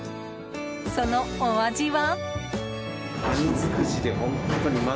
そのお味は。